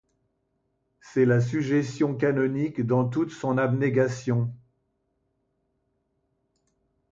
C'est la sujétion canonique dans toute son abnégation.